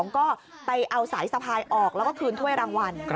ก็ไปเอาสายสะพายออกแล้วก็คืนถ้วยรางวัล